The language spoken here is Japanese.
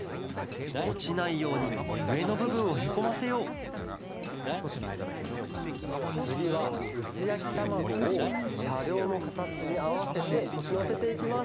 おちないようにうえのぶぶんをへこませようつぎはうすやきたまごをしゃりょうのかたちにあわせてのせていきます。